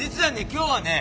今日はね